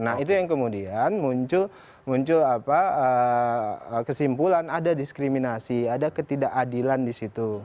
nah itu yang kemudian muncul kesimpulan ada diskriminasi ada ketidakadilan di situ